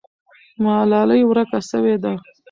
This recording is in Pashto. ملالۍ ورکه سوې ده.